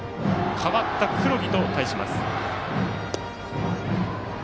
代わった黒木と対します。